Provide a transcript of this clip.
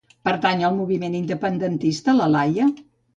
Pertany al moviment independentista la Laia?